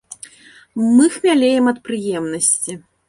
Мы хмялеем ад прыемнасці.